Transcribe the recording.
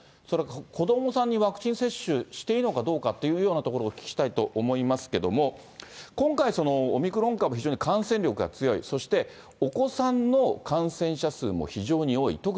それから、子どもさんにワクチン接種していいのかどうかというようところを、お聞きしたいと思いますけども、今回その、オミクロン株、非常に感染力が強い、そして、お子さんの感染者数も非常に多い。